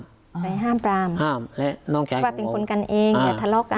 ไปห้ามปรามห้ามและน้องใจว่าเป็นคนกันเองอย่าทะเลาะกันอะไรแบบเนี้ย